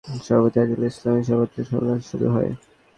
পরে সেখানে জেলা জাসদের সভাপতি আজিজুল ইসলামের সভাপতিত্বে সম্মেলন শুরু হয়।